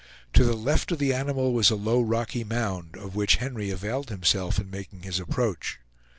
To the left of the animal was a low rocky mound, of which Henry availed himself in making his approach.